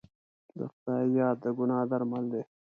د خدای یاد د ګناه درمل دی.